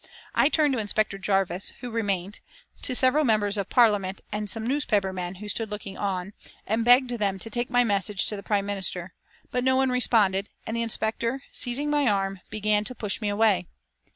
I turned to Inspector Jarvis, who remained, to several members of Parliament and some newspaper men who stood looking on, and begged them to take my message to the Prime Minister, but no one responded, and the Inspector, seizing my arm, began to push me away.